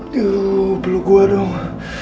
tengok gue dong